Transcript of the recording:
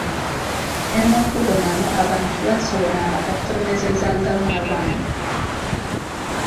Ne mu kkubo namwo abantu baasobolanga okusomesezaamu abaana.